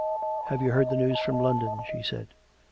"Have you heard the news from London.''" she said.